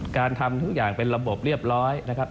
การทำทุกอย่างเป็นระบบเรียบร้อยนะครับ